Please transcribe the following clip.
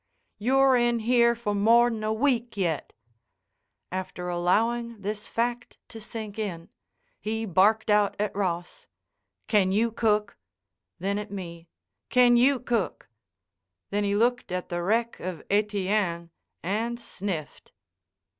"You're in here for more'n a week yet." After allowing this fact to sink in, he barked out at Ross: "Can you cook?" Then at me: "Can you cook?" Then he looked at the wreck of Etienne and sniffed.